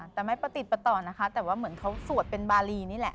แต่ไม่ประติดประต่อนะคะแต่ว่าเหมือนเขาสวดเป็นบารีนี่แหละ